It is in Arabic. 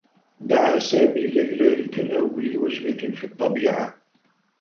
دعى سامي ليلى لتناول وجبة في الطّبيعة.